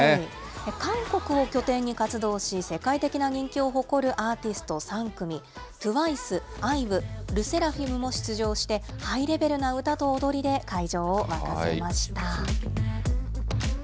韓国を拠点に活動し、世界的な人気を誇るアーティスト３組、ＴＷＩＣＥ、ＩＶＥ、ＬＥＳＳＥＲＡＦＩＭも出場してハイレベルな歌と踊りで会場を沸かせました。